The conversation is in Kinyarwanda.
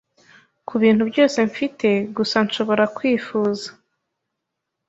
Kubintu byose mfite gusa nshobora kwifuza